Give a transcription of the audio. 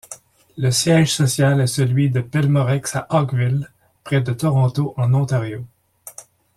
Le siège social est celui de Pelmorex à Oakville près de Toronto, en Ontario.